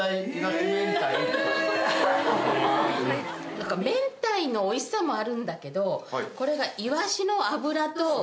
・なんか明太のおいしさもあるんだけどこれが・